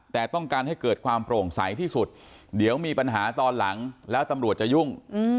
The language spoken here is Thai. แต่ต้องการให้เกิดความโปร่งใสที่สุดเดี๋ยวมีปัญหาตอนหลังแล้วตำรวจจะยุ่ง